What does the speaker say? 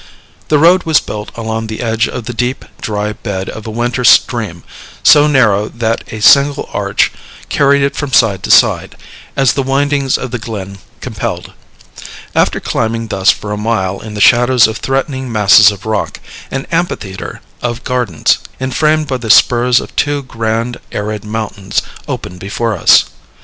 The road was built along the edge of the deep, dry bed of a winter stream, so narrow that a single arch carried it from side to side, as the windings of the glen compelled. After climbing thus for a mile in the shadows of threatening masses of rock, an amphitheatre of gardens, enframed by the spurs of two grand, arid mountains, opened before us.